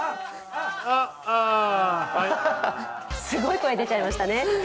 すごい声出ちゃいましたね。